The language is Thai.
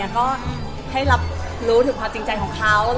ก็ให้รับรู้ถึงความจริงใจของเขา